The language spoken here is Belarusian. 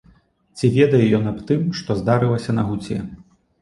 Ці ведае ён аб тым, што здарылася на гуце?